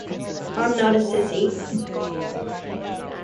I'm not a sissy.